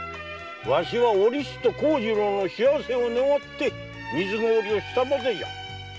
わしはお律と幸次郎の幸せを願って水垢離をしただけじゃ。